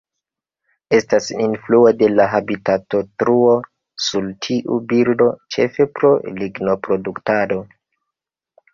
Estas influo de la habitatodetruo sur tiu birdo, ĉefe pro lignoproduktado.